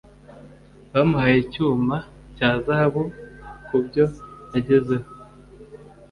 Bamuhaye icyuma cya zahabu kubyo yagezeho.